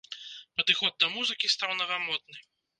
Падыход да музыкі стаў навамодны.